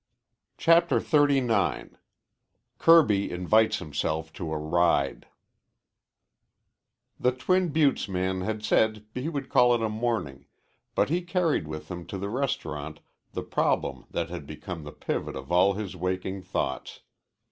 CHAPTER XXXIX KIRBY INVITES HIMSELF TO A RIDE The Twin Buttes man had said he would call it a morning, but he carried with him to the restaurant the problem that had become the pivot of all his waking thoughts.